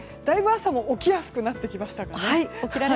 だいぶ朝も起きやすくなってきましたかね。